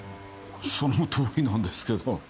そのとおりなんですけど。